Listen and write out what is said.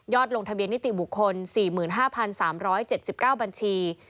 ลงทะเบียนนิติบุคคล๔๕๓๗๙บัญชี